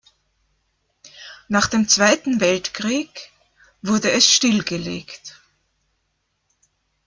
Nach dem Zweiten Weltkrieg wurde es stillgelegt.